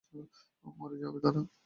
মরে যাবে তারা।